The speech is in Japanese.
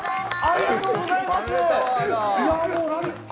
ありがとうございます。